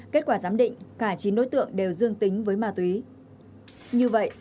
kết quả giám định cả chín đối tượng đều dương tính với ma túy